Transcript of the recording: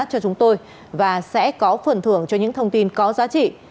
cho chúng tôi và sẽ có phần thưởng cho những thông tin có giá trị